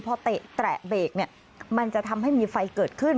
พอเตะแตะเบรกเนี่ยมันจะทำให้มีไฟเกิดขึ้น